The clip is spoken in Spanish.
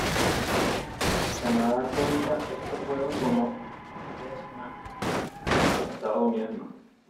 Canadá cuenta estos juegos como "test matches," los Estados Unidos no.